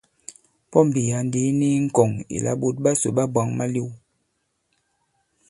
Pɔmbì ya᷅ ndī i ni i ŋkɔ̀ŋ ìlà ɓòt ɓasò ɓa bwǎŋ malew.